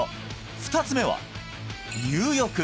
２つ目は入浴